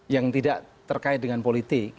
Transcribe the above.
yang tidak terkait dengan politik